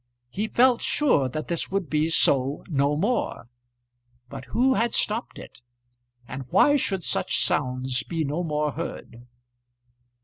He felt sure that this would be so no more; but who had stopped it, and why should such sounds be no more heard?